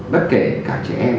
bất kể cả trẻ em